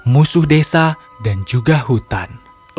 musuh desa dan juga hutan